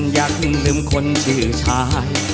อยากลืมคนชื่อชาย